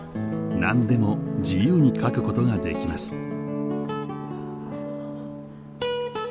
何でも自由に書くことができます。